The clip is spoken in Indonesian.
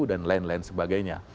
dan lain lain sebagainya